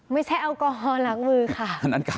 ไม่ใช่แอลกอฮอลล้างมือค่ะ